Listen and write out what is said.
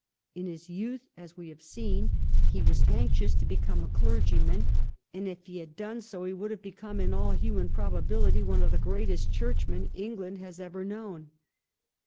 In his youth, as we have seen, he was anxious to become a clergyman, and if he had done so he would have become, in all human probability, one of the greatest Churchmen England has ever known.